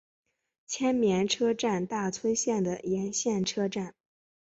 千绵车站大村线的沿线车站。